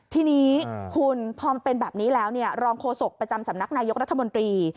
ทีนี้คุณพอมันเป็นแบบนี้แล้วรองโฆษกประจำสำนักนายกรัฐมนตรี